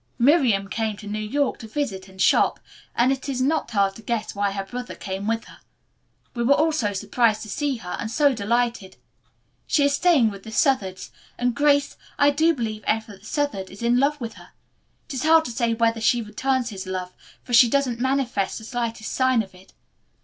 Miriam came to New York to visit and shop, and it is not hard to guess why her brother came with her. We were all so surprised to see her, and so delighted. She is staying with the Southards, and, Grace, I do believe Everett Southard is in love with her. It is hard to say whether she returns his love, for she doesn't manifest the slightest sign of it.